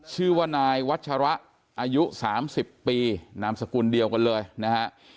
ชื่อว่านายวัชระอายุ๓๐ปีนามสกุลเดียวกันเลยนะฮะ